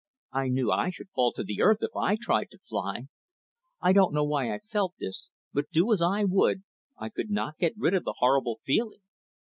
I knew I should fall to the earth if I tried to fly. I don't know why I felt this, but, do as I would, I could not get rid of the horrible feeling.